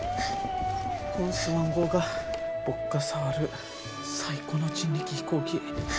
こんスワン号が僕が触る、最後の人力飛行機。